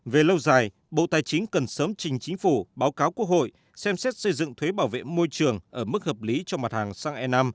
về lâu dài bộ tài chính cần sớm trình chính phủ báo cáo quốc hội xem xét xây dựng thuế bảo vệ môi trường ở mức hợp lý cho mặt hàng xăng e năm